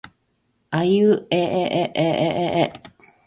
あいうえええええええ